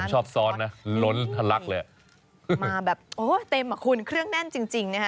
ชอบซ้อนนะล้นทะลักเลยมาแบบโอ้เต็มอ่ะคุณเครื่องแน่นจริงจริงนะฮะ